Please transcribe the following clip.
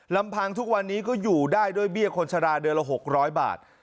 ลำพังทุกวันนี้ก็อยู่ได้ด้วยเบี้ยคนชะลาเดือนละ๖๐๐บาท